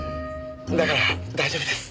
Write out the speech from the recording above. だから大丈夫です。